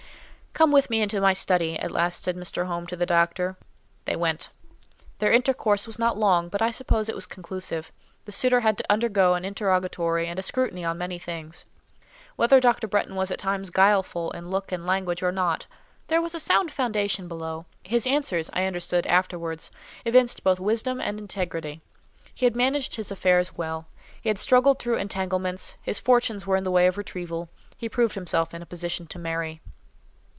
"Come with me into my study," at last said Mr. Home to the doctor. They went. Their intercourse was not long, but I suppose it was conclusive. The suitor had to undergo an interrogatory and a scrutiny on many things. Whether Dr. Bretton was at times guileful in look and language or not, there was a sound foundation below. His answers, I understood afterwards, evinced both wisdom and integrity. He had managed his affairs well. He had struggled through entanglements; his fortunes were in the way of retrieval; he proved himself in a position to marry.